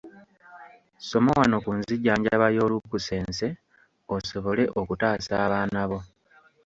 Soma wano ku nzijjanjaba y'olukusense osobole okutaasa abaana bo.